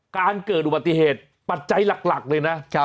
การเกิดอุบัติเหตุปัจจัยหลักเลยนะ